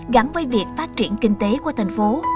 gắn với việc phát triển kinh tế của thành phố